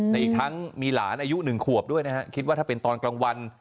อีกทั้งมีหลานอายุ๑ขวบด้วยนะฮะคิดว่าถ้าเป็นตอนกลางวัน